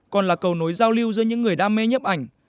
còn là cầu nối giao lưu giữa những người đam mê nhấp ảnh